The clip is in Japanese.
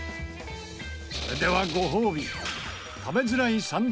それではご褒美。